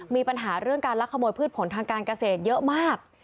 มีปัญหาเรื่องการลักขโมยพืชผลทางการเกษตรเยอะมาก